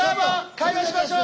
会話しましょう！